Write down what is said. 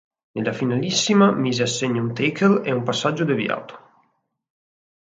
Nella finalissima mise a segno un tackle e un passaggio deviato.